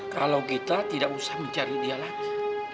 kalau kita tidak usah mencari dia lagi